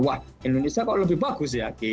wah indonesia kok lebih bagus ya